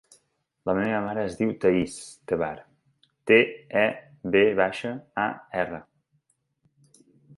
La meva mare es diu Thaís Tevar: te, e, ve baixa, a, erra.